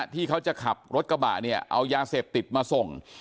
ที่เขาจะขับรถกระบะเนี่ยเอายาเสพติดมาส่ง